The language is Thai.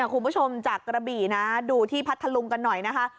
คุณผู้ชมจากกระบี่นะดูที่พัทธลุงกันหน่อยนะคะ